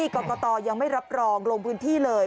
กรกตยังไม่รับรองลงพื้นที่เลย